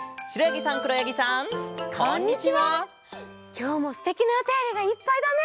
きょうもすてきなおたよりがいっぱいだね！